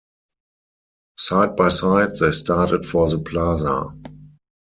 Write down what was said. Side by side they started for the Plaza.